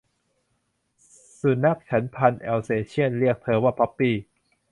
สุนัขฉันพันธุ์อัลเซเชี่ยนเรียกเธอว่า 'ป๊อปปี้'